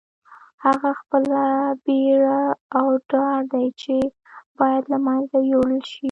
هغه خپله بېره او ډار دی چې باید له منځه یوړل شي.